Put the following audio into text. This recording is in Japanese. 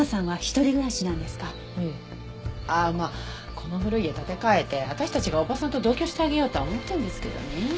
この古い家建て替えて私たちがおばさんと同居してあげようとは思ってるんですけどね。